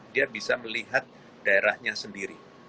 dia bisa melihat daerahnya sendiri